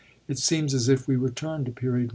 It seems as if we return to Period I.